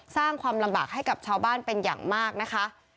สร้างความลำบากให้กับชาวบ้านเป็นอย่างมากนะคะ